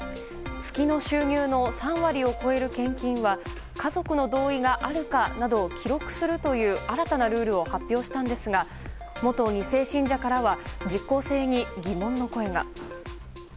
月の収入を３割を超える献金は家族の同意があるかなどを記録するという新たなルールを発表したんですが元２世信者からは実効性に疑問の声が。